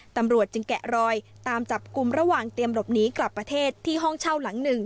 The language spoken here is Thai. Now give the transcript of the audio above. ตำรวจจึงแกะรอยตามจับกลุ่มระหว่างเตรียมหลบหนีกลับประเทศที่ห้องเช่าหลังหนึ่ง